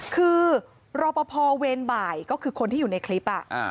คือรอปภเวรบ่ายก็คือคนที่อยู่ในคลิป